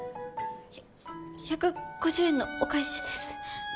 １５０円のお返しです。